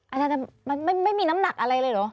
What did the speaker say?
อาจารย์มันไม่มีน้ำหนักอะไรเลยเหรอ